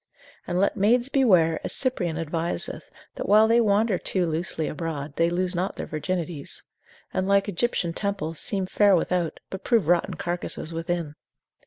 And let maids beware, as Cyprian adviseth, that while they wander too loosely abroad, they lose not their virginities: and like Egyptian temples, seem fair without, but prove rotten carcases within.